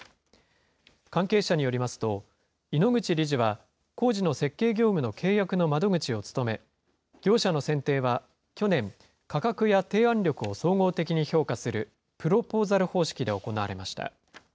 関係者によりますと、井ノ口理事は工事の設計業務の契約の窓口を務め、業者の選定は去年、価格や提案力を総合的に評価する、プロポーザル方式で行われました。